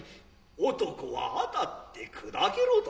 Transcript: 男は当って砕けろと。